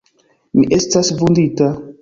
Mi estas vundita!